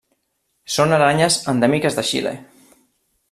Són aranyes endèmiques de Xile.